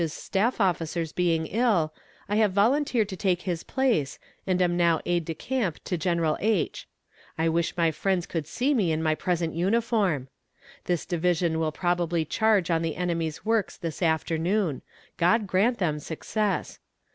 's staff officers being ill I have volunteered to take his place, and am now aide de camp to General H. I wish my friends could see me in my present uniform! This division will probably charge on the enemy's works this afternoon. God grant them success!